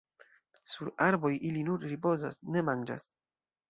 Sur arboj ili nur ripozas, ne manĝas.